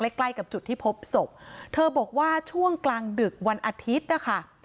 ใกล้ใกล้กับจุดที่พบศพเธอบอกว่าช่วงกลางดึกวันอาทิตย์นะคะ